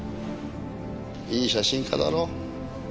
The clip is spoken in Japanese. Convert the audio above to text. いい写真家だろ？